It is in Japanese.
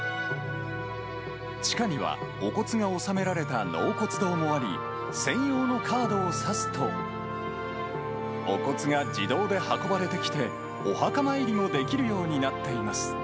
地下には、お骨が納められた納骨堂もあり、専用のカードを差すと、お骨が自動で運ばれてきて、お墓参りもできるようになっています。